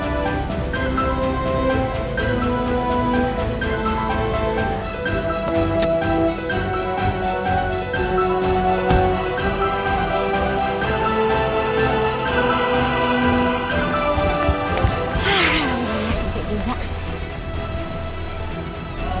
rumah sakit ya